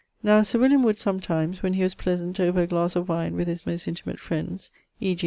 ] Now Sir William would sometimes, when he was pleasant over a glasse of wine with his most intimate friends e.g.